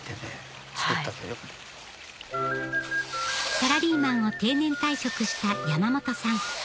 サラリーマンを定年退職した山本さん